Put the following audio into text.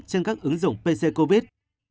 trên các ứng dụng pc covid